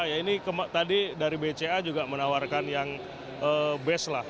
ya ini tadi dari bca juga menawarkan yang best lah